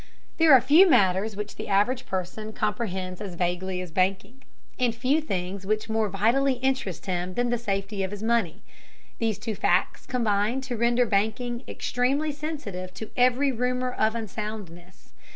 There are few matters which the average person comprehends as vaguely as banking, and few things which more vitally interest him than the safety of his money. These two facts combine to render banking extremely sensitive to every rumor of unsoundness.